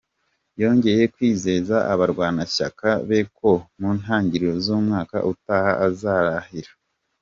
Yongeye kwizeza abarwanashyaka be ko mu ntangiriro z’umwaka utaha azarahira.